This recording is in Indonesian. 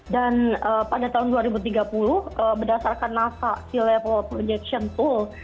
dan pada tahun dua ribu tiga puluh berdasarkan nasa sea level projection tool